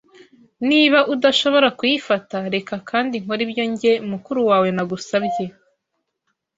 Niba udashobora kuyifata, reka kandi nkore ibyo njye, mukuru wawe, nagusabye.